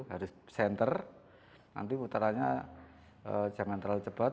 harus di senter nanti putarannya jangan terlalu cepat